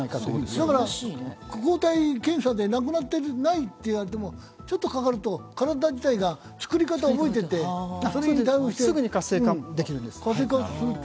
だから、抗体検査で、ないって言われても、ちょっとかかると体自体が作り方を覚えていて、それに対応して活性化すると。